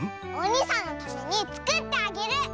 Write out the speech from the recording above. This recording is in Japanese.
おにさんのためにつくってあげる！